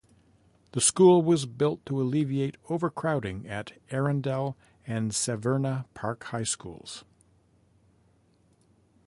The school was built to alleviate over-crowding at Arundel and Severna Park High Schools.